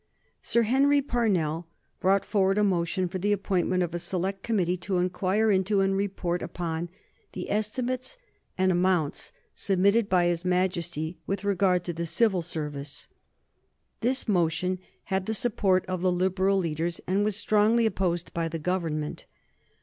Sir Henry Parnell brought forward a motion for the appointment of a select committee to inquire into, and report upon, the estimates and amounts submitted by his Majesty with regard to the civil service. This motion had the support of the Liberal leaders and was strongly opposed by the Government.